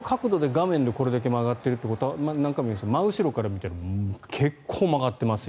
これ、画面のこの角度でこれだけ曲がってるということは何回も言いますが真後ろから見たら結構曲がってますよ。